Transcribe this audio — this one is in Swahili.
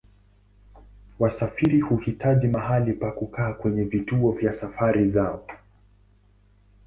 Wasafiri huhitaji mahali pa kukaa kwenye vituo vya safari zao.